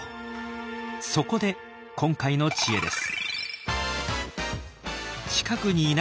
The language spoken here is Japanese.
そこで今回の知恵です。